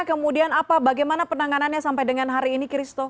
kemudian apa bagaimana penanganannya sampai dengan hari ini christo